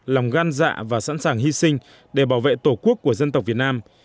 lòng gan dạ và sẵn sàng hy sinh để bảo vệ tổ quốc của dân tộc việt nam